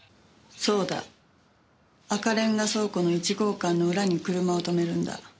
そうだ赤レンガ倉庫の１号館の裏に車を止めるんだ。